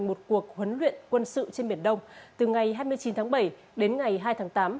một cuộc huấn luyện quân sự trên biển đông từ ngày hai mươi chín tháng bảy đến ngày hai tháng tám